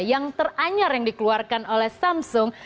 yang teranyar yang dikeluarkan oleh samsung